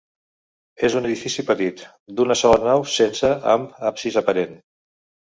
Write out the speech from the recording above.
És un edifici petit, d'una sola nau sense amb absis aparent.